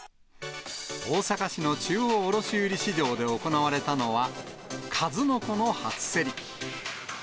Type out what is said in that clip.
大阪市の中央卸売市場で行われたのは、数の子の初競り。